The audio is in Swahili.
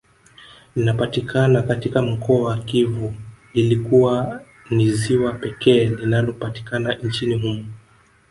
Linapatikana katika mkoa wa Kivu likiwa ni ziwa pekee linalopatikana nchini humo